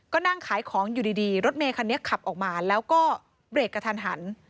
ก็นั่งขายของอยู่ดีรถเมคันนี้ขับออกมาแล้วก็เบรกกระทันหัน